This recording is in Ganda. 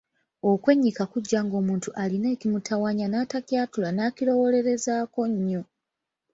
Okwennyika kujja ng’omuntu alina ekimutawaanya n’atakyatula n’akirowoolerezaako nnyo.